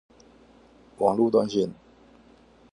網路斷線